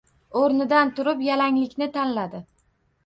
O’rnidan turib, yalanglikni tanladi.